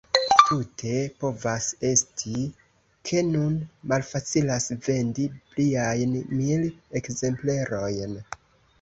Tute povas esti, ke nun malfacilas vendi pliajn mil ekzemplerojn.